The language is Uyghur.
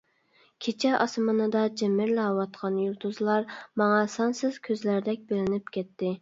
كېچە ئاسمىنىدا جىمىرلاۋاتقان يۇلتۇزلار ماڭا سانسىز كۆزلەردەك بىلىنىپ كەتتى.